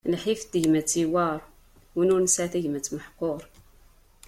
Lḥif n tegmat yewɛer, win ur nesɛi tagmat meḥqur.